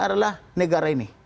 adalah negara ini